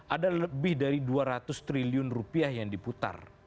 ada lebih dari dua ratus triliun rupiah yang diputar